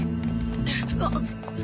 あっ。